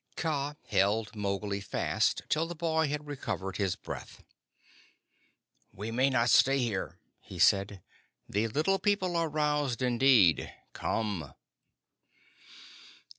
Kaa held Mowgli fast till the boy had recovered his breath. "We may not stay here," he said. "The Little People are roused indeed. Come!"